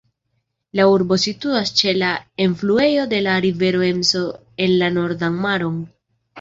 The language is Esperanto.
La urbo situas ĉe la enfluejo de la rivero Emso en la Nordan Maron.